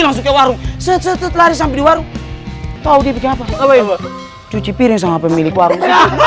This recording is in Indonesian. langsung ke warung setelah sampai di warung kau dipegang cuci piring sama pemilik warung